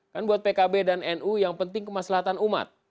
kan buat pkb dan nu yang penting kemaslahan umat